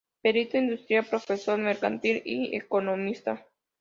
Perito industrial, profesor mercantil y economista.